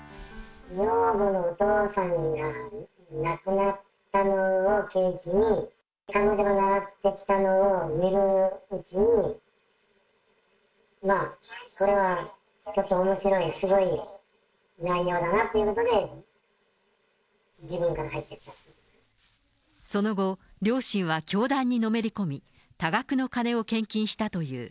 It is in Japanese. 女房のお父さんが亡くなったのを契機に、彼女が習ってきたのを見るうちに、まあ、これはちょっとおもしろい、すごい内容だなということで、その後、両親は教団にのめり込み、多額の金を献金したという。